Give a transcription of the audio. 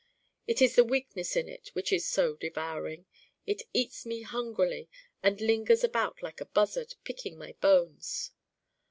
It is the Weakness in it which is so devouring: it eats me hungrily and lingers about like a buzzard, picking my bones.